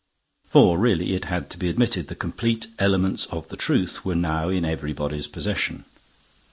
For really, it had to be admitted, the complete elements of the truth were now in everybody's possession.